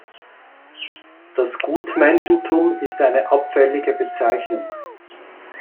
Das Gutmenschentum ist eine abfällige Bezeichnung.